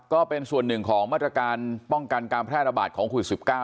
ก็เป็นส่วนหนึ่งของมาตรการป้องกันการแพร่ระบาดของโควิด๑๙